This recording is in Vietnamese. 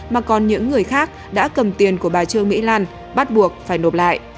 mà còn những người khác đã cầm tiền của bà trương mỹ lan bắt buộc phải nộp lại